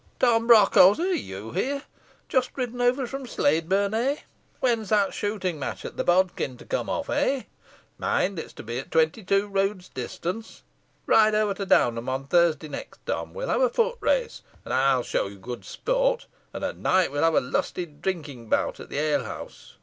Tom Brockholes, are you here? Just ridden over from Sladeburne, eh? When is that shooting match at the bodkin to come off, eh? Mind, it is to be at twenty two roods' distance. Ride over to Downham on Thursday next, Tom. We're to have a foot race, and I'll show you good sport, and at night we'll have a lusty drinking bout at the alehouse.